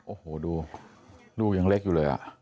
โอ้โหดูอย่างเล็กอยู่เลย